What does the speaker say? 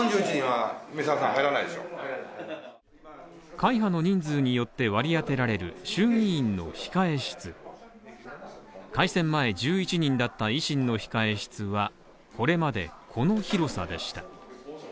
会派の人数によって割り当てられる、衆院の控え室改選前１１人だった維新の控え室は、これまで、この広さでした。